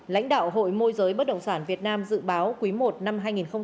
lãnh đạo hội môi giới bất động sản việt nam dự báo cuối một năm hai nghìn hai mươi ba